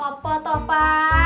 apa toh pa